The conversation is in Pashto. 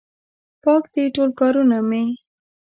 پاک دي ټول کارونه مې